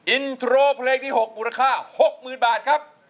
อินโทรเพลงที่๖มูลค่า๖๐๐๐บาทครับ